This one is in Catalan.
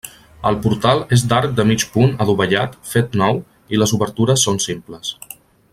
El portal és d’arc de mig punt adovellat fet nou i les obertures són simples.